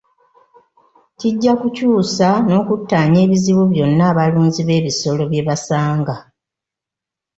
Kijja kukyusa n'okuttaanya ebizibu byonna abalunzi b'ebisolo bye basanga.